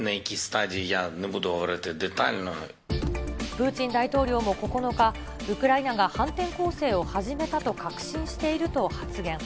プーチン大統領も９日、ウクライナが反転攻勢を始めたと確信していると発言。